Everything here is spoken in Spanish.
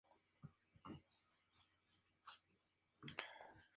Con descendencia en los marqueses de Real Socorro.